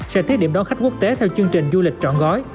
sẽ thiết điểm đón khách quốc tế theo chương trình du lịch trọn gói